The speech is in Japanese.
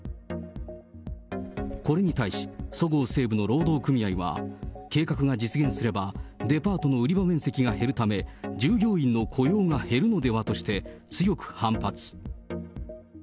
これに対し、そごう・西武の労働組合は、計画が実現すれば、デパートの売り場面積が減るため、従業員の雇用が減るのではとして、強く反発。